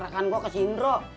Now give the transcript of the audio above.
ntar temenin gua ke sindro